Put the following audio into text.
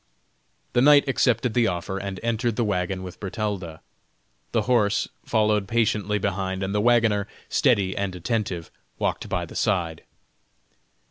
The knight accepted the offer and entered the wagon with Bertalda; the horse followed patiently behind, and the wagoner, steady and attentive, walked by the side.